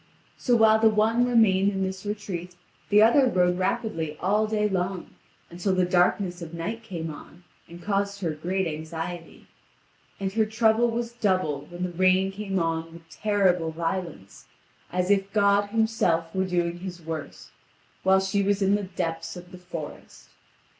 So while the one remained in this retreat, the other rode rapidly all day long, until the darkness of night came on, and caused her great anxiety. And her trouble was doubled when the rain came on with terrible violence, as if God Himself were doing His worst, while she was in the depths of the forest.